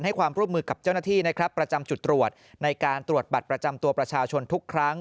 ให้ความร่วมมือกับเจ้าหน้าที่นะครับประจำจุดตรวจในการตรวจบัตรประจำตัวประชาชนทุกครั้ง